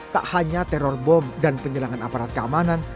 tak hanya teror bom dan penyerangan aparat keamanan